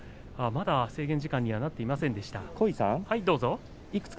まだ制限時間にはなっていません。